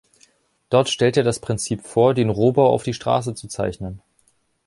Dort stellt er das Prinzip vor, den Rohbau auf die Straße zu zeichnen.